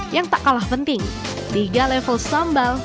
yang tak kalah penting tiga level sambal